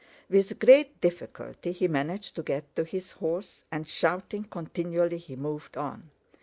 With great difficulty he managed to get to his horse, and shouting continually he moved on.